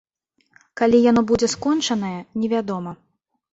Калі яно будзе скончанае, невядома.